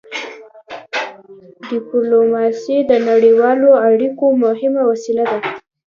ډيپلوماسي د نړیوالو اړیکو مهمه وسيله ده.